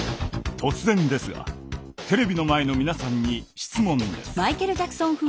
突然ですがテレビの前の皆さんに質問です。